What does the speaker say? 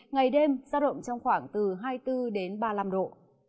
ngày đêm giao động trong khoảng từ hai mươi bốn đến ba mươi năm độ